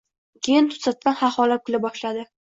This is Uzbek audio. Keyin to‘satdan xaxolab kula boshladi.